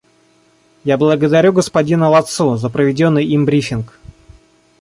Я благодарю господина Ладсу за проведенный им брифинг.